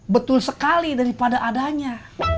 betul sekali daripada adanya